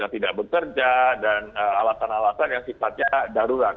tidak bekerja dan alasan alasan yang sifatnya darurat